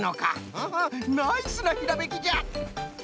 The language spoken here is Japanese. うんうんナイスなひらめきじゃ！